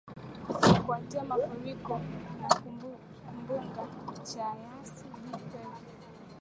kufuatia mafuriko na kumbunga cha yasi jiji perf